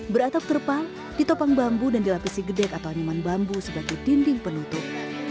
beratap terpal ditopang bambu dan dilapisi gedek atau animan bambu sebagai dinding penutup